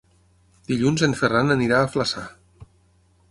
Dilluns en Ferran anirà a Flaçà.